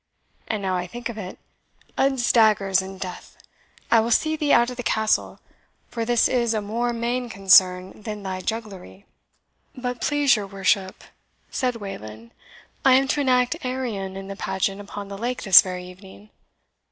And now I think of it uds daggers and death! I will see thee out of the Castle, for this is a more main concern than thy jugglery." "But, please your worship," said Wayland, "I am to enact Arion in the pageant upon the lake this very evening."